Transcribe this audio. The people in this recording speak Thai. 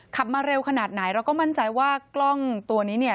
มาเร็วขนาดไหนเราก็มั่นใจว่ากล้องตัวนี้เนี่ย